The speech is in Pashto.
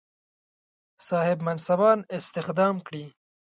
صاحب منصبان استخدام کړي.